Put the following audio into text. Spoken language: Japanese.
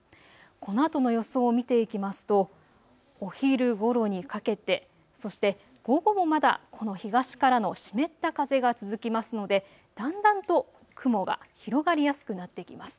このあとの予想を見ていきますとお昼ごろにかけて、そして午後もまだこの東からの湿った風が続きますのでだんだんと雲が広がりやすくなってきます。